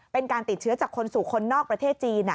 เป็นการติดเชื้อจากคนสู่คนนอกประเทศจีน